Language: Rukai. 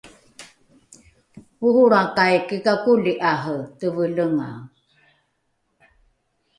oholrakai kikakoli’are tovelengae